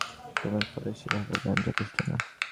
আমি ফরাসি ভাষায় বলি না কারণ তোমার ফরাসি ভাষাজ্ঞান যথেষ্ট না।